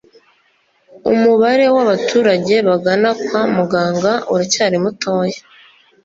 umubare w'abaturage bagana kwa muganga uracyari mutoya